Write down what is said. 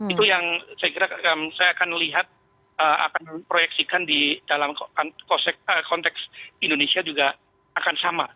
itu yang saya kira saya akan lihat akan proyeksikan di dalam konteks indonesia juga akan sama